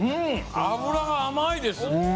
脂が甘いです！